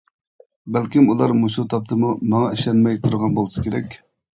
بەلكىم ئۇلار مۇشۇ تاپتىمۇ ماڭا ئىشەنمەي تۇرغان بولسا كېرەك.